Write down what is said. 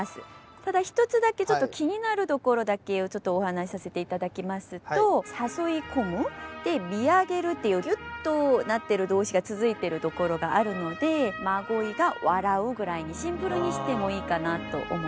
ただ一つだけ気になるところだけお話しさせて頂きますと「誘い込む」で「見上げる」っていうギュッとなってる動詞が続いてるところがあるので「真鯉が笑う」ぐらいにシンプルにしてもいいかなと思います。